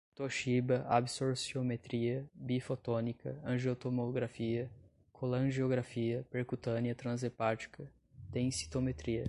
Toshiba, absorciometria bifotônica, angiotomografia, colangiografia percutânea trans-hepática, densitometria